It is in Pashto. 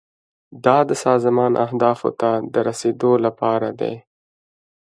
دا د سازمان اهدافو ته د رسیدو لپاره دی.